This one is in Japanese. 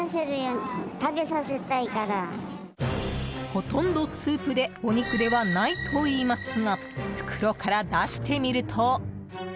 ほとんどスープでお肉ではないと言いますが袋から出してみると。